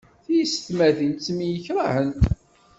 Tisetmatin temyekrahent.